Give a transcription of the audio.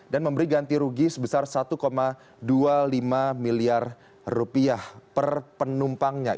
dan memberi ganti rugi sebesar satu dua puluh lima miliar rupiah per penumpangnya